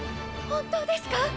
本当ですか！！